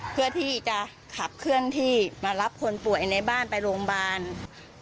เพื่อที่จะขับเคลื่อนที่มารับคนป่วยในบ้านไปโรงพยาบาล